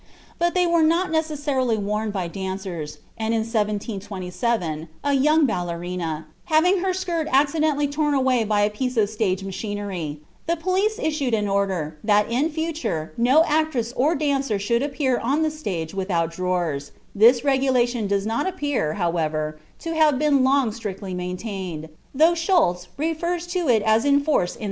But they were not necessarily worn by dancers, and in 1727 a young ballerina, having had her skirt accidentally torn away by a piece of stage machinery, the police issued an order that in future no actress or dancer should appear on the stage without drawers; this regulation does not appear, however, to have been long strictly maintained, though Schulz (Ueber Paris und die Pariser, p. 145) refers to it as in force in 1791.